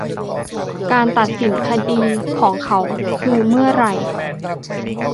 การตัดสินคดีของเขาคือเมื่อไหร่